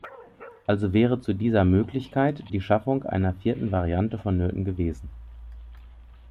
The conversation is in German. Also wäre zu dieser Möglichkeit die Schaffung einer vierten Variante vonnöten gewesen.